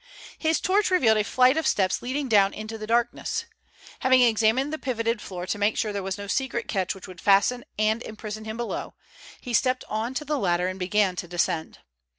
His torch revealed a flight of steps leading down into the darkness. Having examined the pivoted floor to make sure there was no secret catch which could fasten and imprison him below, he stepped on to the ladder and began to descend.